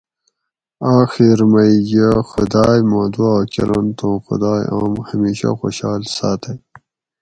آخیر مئ یہ خُداٞئ ما دُعا کرنت اُوں خُدائ اوم ہمیشہ خوشال ساٞتئ